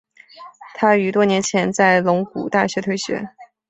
他于多年前在龙谷大学退学。